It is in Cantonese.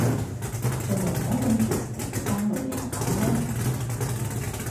做人唔好咁絕俾條生路嚟行吓啦